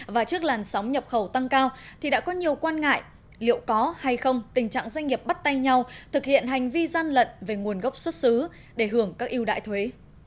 và trước làn sóng nhập khẩu tăng cao thì đã có nhiều quan ngại liệu có hay không tình trạng doanh nghiệp bắt tay nhau thực hiện hành vi gian lận về nguồn gốc xuất xứ để hưởng các ưu đại thuế